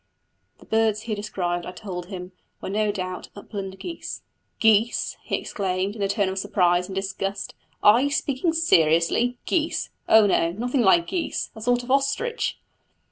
The birds he had described, I told him, were no doubt Upland Geese. "Geese!" he exclaimed, in a tone of surprise, and disgust. "Are you speaking seriously? Geese! Oh, no, nothing like geese a sort of ostrich!"